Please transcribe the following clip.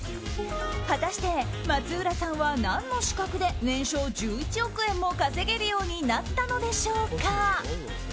果たして、松浦さんは何の資格で年商１１億円も稼げるようになったのでしょうか？